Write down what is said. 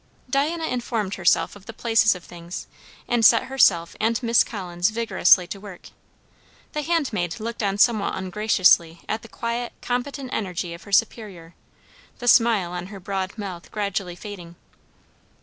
Diana informed herself of the places of things, and set herself and Miss Collins vigorously to work. The handmaid looked on somewhat ungraciously at the quiet, competent energy of her superior, the smile on her broad mouth gradually fading.